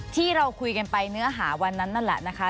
ที่เราคุยกันไปเนื้อหาวันนั้นนั่นแหละนะคะ